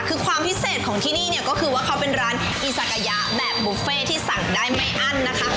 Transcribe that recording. คือความพิเศษของที่นี่เนี่ยก็คือว่าเขาเป็นร้านอีซากายะแบบบุฟเฟ่ที่สั่งได้ไม่อั้นนะคะ